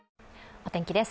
お天気です。